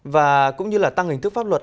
và cũng như là tăng hình thức pháp luật